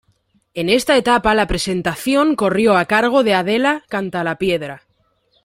En esa etapa la presentación corrió a cargo de Adela Cantalapiedra.